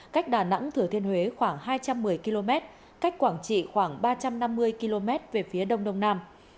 cách đà nẵng thừa thiên huế khoảng hai trăm một mươi km cách quảng trị khoảng ba trăm năm mươi km về phía đông đông nam